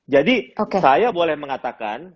jadi saya boleh mengatakan